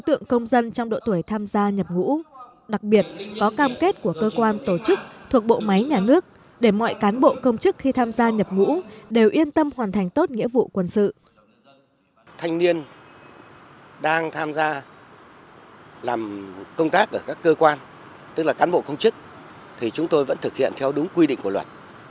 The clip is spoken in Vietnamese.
hùng đang tham gia làm công tác ở các cơ quan tức là cán bộ công chức thì chúng tôi vẫn thực hiện theo đúng quy định của luật